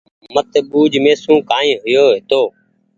مت ٻوُج مهسون ڪآئي هويو هيتو